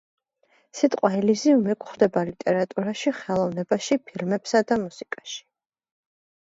სიტყვა ელიზიუმი გვხვდება ლიტერატურაში, ხელოვნებაში ფილმებსა და მუსიკაში.